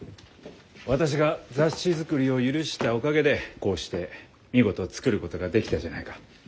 私が雑誌作りを許したおかげでこうして見事作ることができたじゃないか。